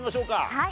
はい。